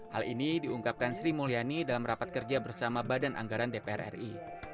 hal ini diungkapkan sri mulyani dalam rapat kerja bersama badan anggaran dpr ri